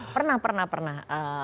pernah pernah pernah